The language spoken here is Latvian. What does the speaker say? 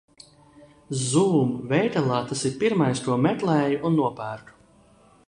Zūm veikalā tas ir pirmais, ko meklēju un nopērku.